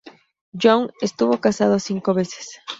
Young estuvo casado cinco veces.